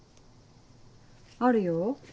あるよ。